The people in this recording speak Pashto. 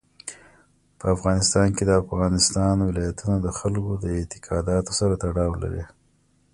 په افغانستان کې د افغانستان ولايتونه د خلکو د اعتقاداتو سره تړاو لري.